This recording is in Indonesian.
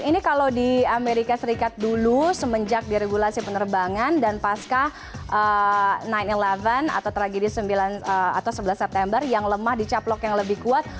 ini kalau di amerika serikat dulu semenjak diregulasi penerbangan dan pasca sembilan sebelas atau tragedi sembilan atau sebelas september yang lemah di caplok yang lebih kuat